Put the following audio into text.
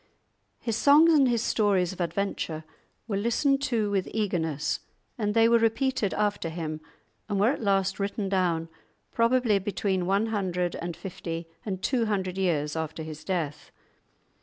His songs and his stories of adventure were listened to with eagerness, and they were repeated after him, and were at last written down, probably between one hundred and fifty and two hundred years after his death.